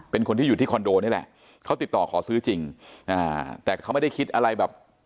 เป็นคนที่อยู่ที่คอนโดนี่แหละเขาติดต่อขอซื้อจริงอ่าแต่เขาไม่ได้คิดอะไรแบบ